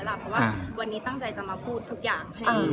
เพราะว่าวันนี้ตั้งใจจะมาพูดทุกอย่างให้ดี